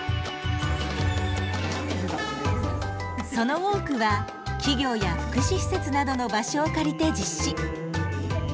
その多くは企業や福祉施設などの場所を借りて実施。